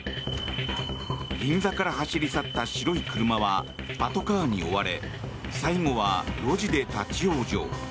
銀座から走り去った白い車はパトカーに追われ最後は路地で立ち往生。